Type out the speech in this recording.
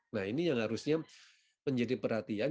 nah ini yang harusnya menjadi perhatian